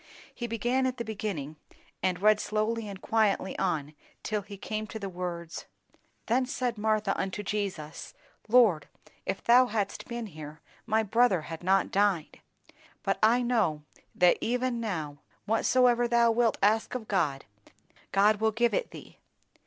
He began at the beginning and read slowly and quietly on till he came to the words, '"Then said Martha unto Jesus, Lord, if thou hadst been here, my brother had not died. But I know, that even now, whatsoever thou wilt ask of God, God will give it thee.